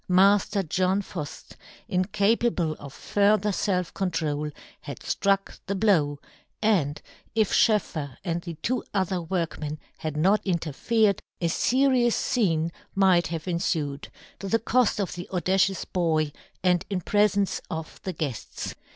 Mafter John Fuft, incapable of fur ther felf control, had ftruck the blow; and, if SchoefFer and the two other workmen had not interfered, a ferious fcene might have enfued, to the coft of the audacious boy, and in prefence of the guefts.